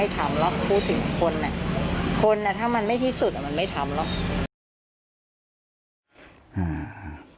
คนอ่ะถ้ามันไม่ที่สุดมันไม่ทำแล้ว